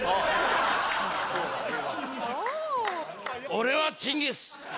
俺はチンギス。